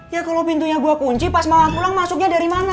ya kalau pintunya gua kunci pas mau pulang masuknya dari mana